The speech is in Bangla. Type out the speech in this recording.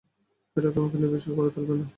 এটা তোমাকে নির্ভরশীল করে তুলবে না।